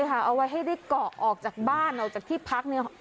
เอาไว้ให้ได้เกาะออกจากบ้านออกจากที่พักเนี่ย